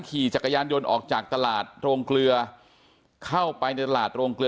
ขี่จักรยานยนต์ออกจากตลาดโรงเกลือเข้าไปในตลาดโรงเกลือ